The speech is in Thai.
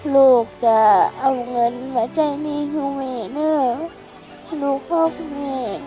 ลูกจะเอาเงินมาใช้หนี้ทุกวันไหมนะลูกพ่อพ่อแม่